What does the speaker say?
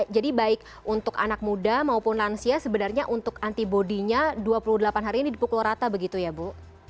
jadi baik untuk anak muda maupun lansia sebenarnya untuk antibody nya dua puluh delapan hari ini dipukul rata begitu ya bu